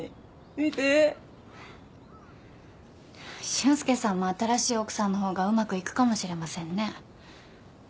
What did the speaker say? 俊介さんも新しい奥さんの方がうまくいくかもしれませんね。